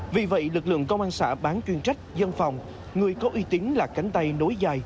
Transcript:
vì vậy lực lượng công an xã bán chuyên trách dân phòng người có uy tín là cánh tay nối dài